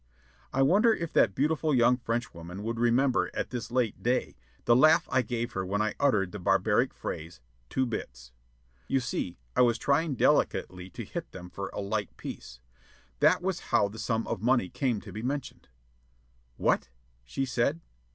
I wonder if that beautiful young Frenchwoman would remember, at this late day, the laugh I gave her when I uttered the barbaric phrase, "two bits." You see, I was trying delicately to hit them for a "light piece." That was how the sum of money came to be mentioned. "What?" she said.